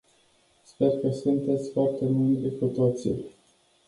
Sper că sunteți foarte mândri cu toții!